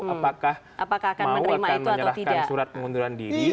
apakah mau akan menyerahkan surat pengunduran diri